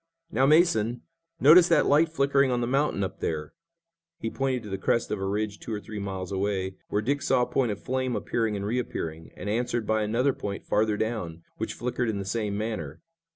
Now, Mason, notice that light flickering on the mountain up there!" He pointed to the crest of a ridge two or three miles away, where Dick saw a point of flame appearing and reappearing, and answered by another point farther down, which flickered in the same manner.